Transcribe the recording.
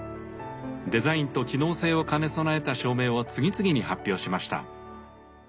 デザインと機能性を兼ね備えた照明を次々に発表しました。